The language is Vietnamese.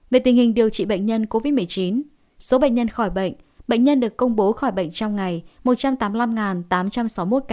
về tình hình điều trị bệnh nhân covid một mươi chín số bệnh nhân khỏi bệnh bệnh nhân được công bố khỏi bệnh trong ngày một trăm tám mươi năm tám trăm sáu mươi một ca